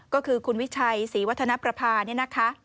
ก็คือคุณวิชัยศรีวัฒนประภาเนี่ยนะคะ